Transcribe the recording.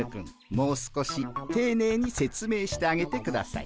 もう少していねいに説明してあげてください。